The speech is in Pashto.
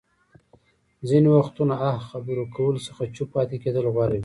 ځينې وختونه اه خبرو کولو څخه چوپ پاتې کېدل غوره وي.